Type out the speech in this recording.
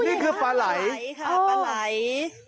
นี่คือปลาไหล